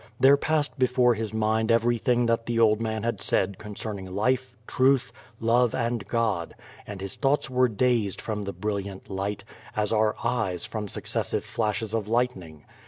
There passed before his mind everything that the old man had said concerning life, truth, love, and CJod: and his thoughts were dazed from the !)rilliani light, as are eyes from successive flashes of lightning.